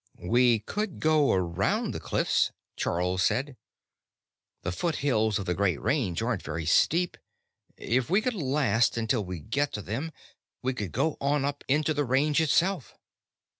"We could go around the cliffs," Charl said. "The foothills of the Great Range aren't very steep. If we could last until we get to them, we could go on up into the Range itself."